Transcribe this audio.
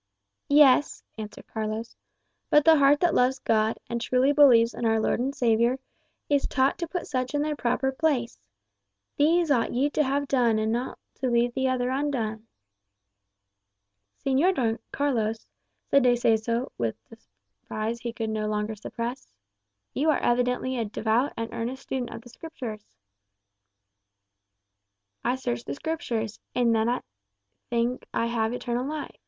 "Yes," answered Carlos; "but the heart that loves God, and truly believes in our Lord and Saviour, is taught to put such in their proper place. 'These ought ye to have done, and not to leave the other undone.'" "Señor Don Carlos," said De Seso, with surprise he could no longer suppress, "you are evidently a devout and earnest student of the Scriptures." "I search the Scriptures; in them I think I have eternal life.